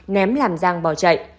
ném làm giang bỏ chạy